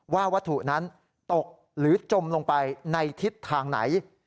ว่าวัตถุนั้นตกหรือจมลงไปในทิศทางไหน